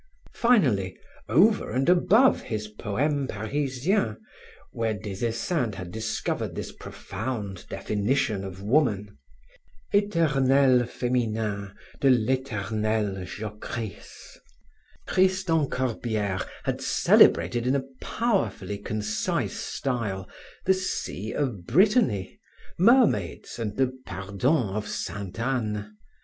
Finally, over and above his Poemes Parisiens, where Des Esseintes had discovered this profound definition of woman: Eternel feminin de l'eternel jocrisse Tristan Corbiere had celebrated in a powerfully concise style, the Sea of Brittany, mermaids and the Pardon of Saint Anne.